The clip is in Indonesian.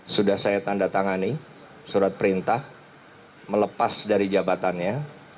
sudah saya tanda tangani surat perintah melepas dari jabatannya